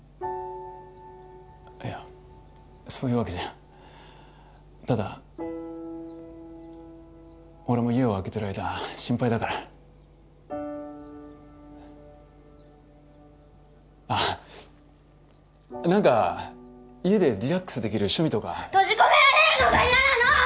いやそういうわけじゃただ俺も家を空けてる間心配だからあっ何か家でリラックスできる趣味とか閉じ込められるのが嫌なの！